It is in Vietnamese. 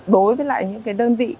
đối với lại những cái đơn vị